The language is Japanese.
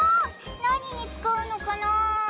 何に使うのかなぁ？